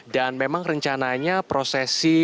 dan memang rencananya prosesi